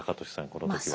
この時は。